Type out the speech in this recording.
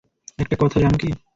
একটা কথা জানো কি?